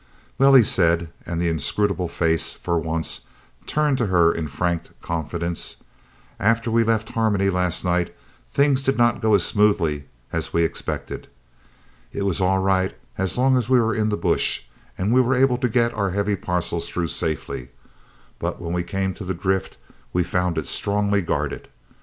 "Well," he said, and the inscrutable face was for once turned to her in frank confidence, "after we left Harmony last night things did not go as smoothly as we expected. It was all right as long as we were in the bush, and we were able to get our heavy parcels through safely, but when we came to the drift we found it strongly guarded.